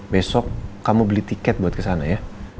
besok kamu beli tiket buat ke sana ya